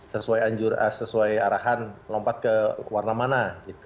sesuai arahan lompat ke warna mana